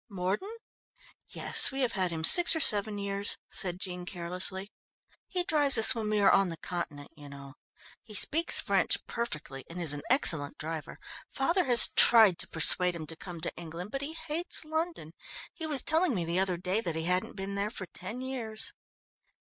"Mordon? Yes, we have had him six or seven years," said Jean carelessly. "He drives us when we are on the continent, you know. He speaks French perfectly and is an excellent driver. Father has tried to persuade him to come to England, but he hates London he was telling me the other day that he hadn't been there for ten years."